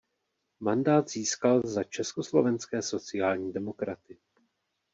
Mandát získal za československé sociální demokraty.